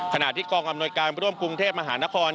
ขณะที่กองอำนวยการร่วมกรุงเทพมหานคร